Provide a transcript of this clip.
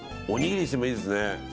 おにぎりにしてもいいですね。